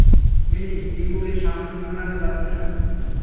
Mini, চিকুকে সামলানো যাচ্ছে না।